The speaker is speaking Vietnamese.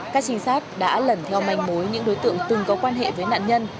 các trinh sát đã lần theo manh mối những đối tượng từng có quan hệ với nạn nhân